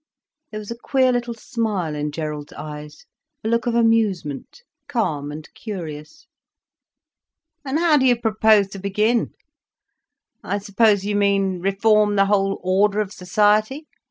There was a queer little smile in Gerald's eyes, a look of amusement, calm and curious. "And how do you propose to begin? I suppose you mean, reform the whole order of society?"